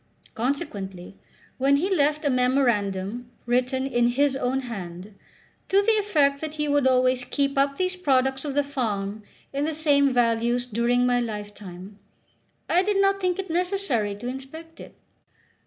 Consequently, when he left a memorandum written in his own hand, to the effect that he would always keep up these products of the farm in the same values during my lifetime, I did not think it necessary to inspect it.